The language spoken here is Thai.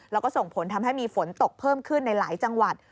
แล้วก็ส่งผลทำให้มีฝนตกเพิ่มขึ้นในหลายจังหวัด